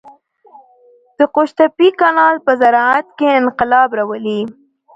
د قوشتېپې کانال په زراعت کې انقلاب راولي.